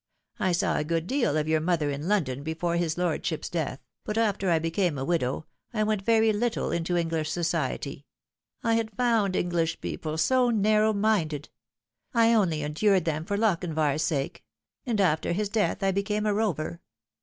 I saw a good deal of your mother in London before his lordship's death, but after I became a widow, I went very little into English society. I had found English people so narrow minded. I only endured them for Lochinvar's sake ; and after his death I became a rover.